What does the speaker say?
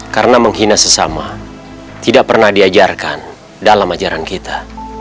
karena menghina sesama tidak pernah diajarkan dalam ajaran kita